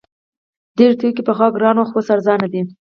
ډیر توکي پخوا ګران وو خو اوس ارزانه دي.